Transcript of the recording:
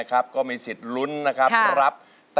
ด้านล่างเขาก็มีความรักให้กันนั่งหน้าตาชื่นบานมากเลยนะคะ